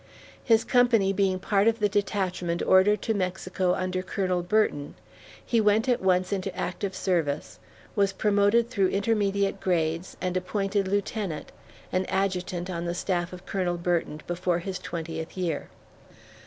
His company being part of the detachment ordered to Mexico under Colonel Burton, he went at once into active service, was promoted through intermediate grades, and appointed lieutenant, and adjutant on the staff of Colonel Burton, before his twentieth year.